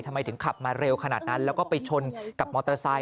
ทำไมถึงขับมาเร็วขนาดนั้นแล้วก็ไปชนกับมอเตอร์ไซค